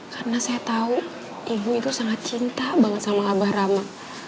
karena saya tahu ibu itu sangat cinta banget sama abah rama